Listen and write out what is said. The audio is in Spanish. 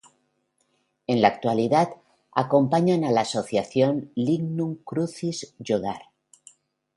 En la actualidad, acompañan a la asociación Lignum Crucis Jódar.